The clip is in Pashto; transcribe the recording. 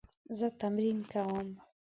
زه تمرین کوم